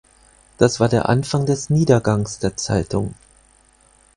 Das war der Anfang des Niedergangs der Zeitung.